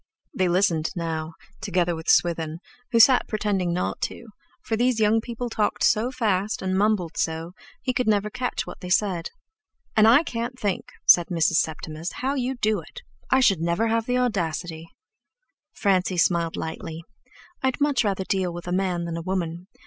They listened now, together with Swithin, who sat pretending not to, for these young people talked so fast and mumbled so, he never could catch what they said. "And I can't think," said Mrs. Septimus, "how you do it. I should never have the audacity!" Francie smiled lightly. "I'd much rather deal with a man than a woman.